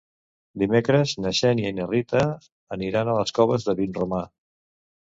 Dimecres na Xènia i na Rita aniran a les Coves de Vinromà.